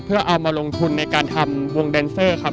เพื่อเอามาลงทุนในการทำวงแดนเซอร์ครับ